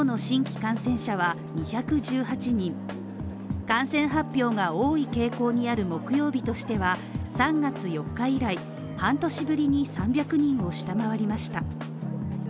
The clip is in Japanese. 感染発表が多い傾向にある木曜日としては３月４日以来半年ぶりに３００人を下回りました。